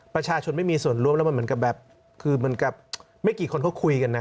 ประชาชนไม่มีส่วนรวมแล้วมันเหมือนกับไม่กี่คนเข้าคุยกันนะ